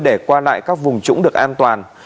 để qua lại các vùng trũng được an toàn